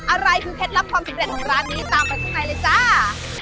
อะไรคือเคล็ดลับความสำเร็จของร้านนี้ตามไปข้างในเลยจ้า